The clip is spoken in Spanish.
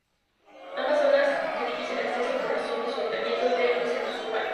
Ambas zonas de difícil acceso por razón de su aislamiento de los centros urbanos.